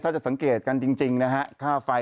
ถ้าสังเกตกันจริงนะฮะ